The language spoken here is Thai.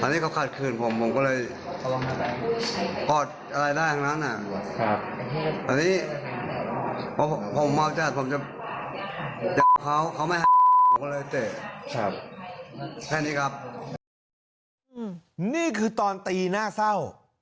นี่คือตอนตีหน้าเศร้า